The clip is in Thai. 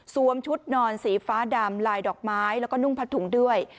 ชุดนอนสีฟ้าดำลายดอกไม้แล้วก็นุ่งพัดถุงด้วย